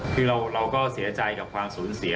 คือเราก็เสียใจกับความสูญเสีย